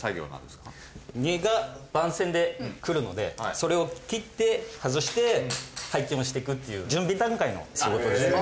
荷が番線で来るのでそれを切って外して配筋をしていくっていう準備段階の仕事ですね。